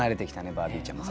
バービーちゃんも。